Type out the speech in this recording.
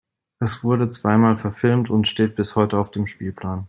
Es wurde zweimal verfilmt und steht bis heute auf dem Spielplan.